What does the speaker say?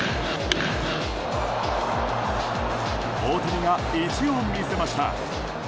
大谷が意地を見せました。